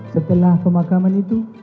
setelah pemakaman itu